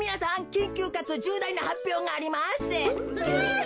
きんきゅうかつじゅうだいなはっぴょうがあります！